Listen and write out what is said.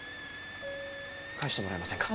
返してもらえませんか？